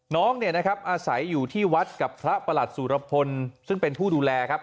น้องเนี่ยนะครับอาศัยอยู่ที่วัดกับพระประหลัดสุรพลซึ่งเป็นผู้ดูแลครับ